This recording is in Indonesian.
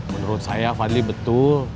menurut saya fadli betul